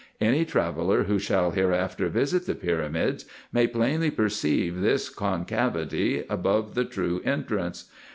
Any traveller, who shall hereafter visit the pyramids, may plainly perceive this concavity above the true entrance.